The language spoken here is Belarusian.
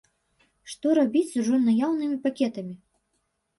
Што рабіць з ужо наяўнымі пакетамі?